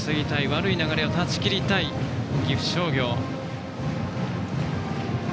悪い流れを断ち切りたい岐阜商業。